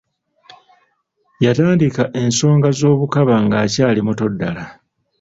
Yatandika ensonga z’obukaba ng’akyali muto ddala.